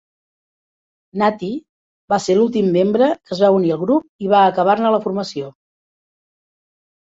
Natti va ser l'últim membre que es va unir al grup i va acabar-ne la formació.